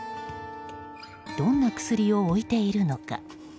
どんな薬を置いているのか。